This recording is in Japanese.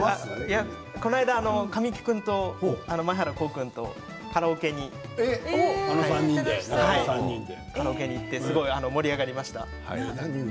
この間、神木君と前原滉君とカラオケに行って盛り上がりました。